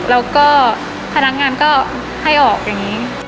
แล้วก็พนักงานก็ให้ออกอย่างนี้